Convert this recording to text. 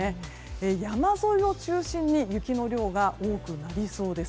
山沿いを中心に雪の量が多くなりそうです。